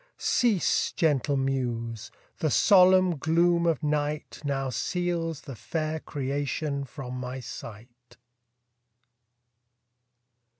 Cease, gentle muse! the solemn gloom of night Now seals the fair creation from my sight.